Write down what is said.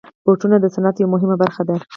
بوټونه د صنعت یوه مهمه برخه ده.